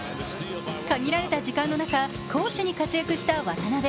限られた時間の中攻守に活躍した渡邊。